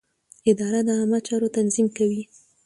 اداره د عامه چارو تنظیم کوي.